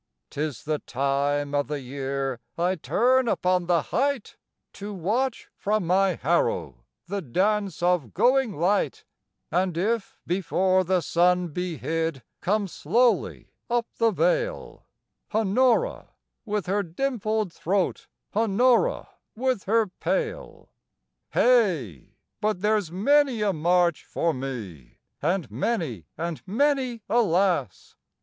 'Tis the time o' the year I turn upon the height To watch from my harrow the dance of going light; And if before the sun be hid, come slowly up the vale Honora with her dimpled throat, Honora with her pail, Hey, but there 's many a March for me, and many and many a lass!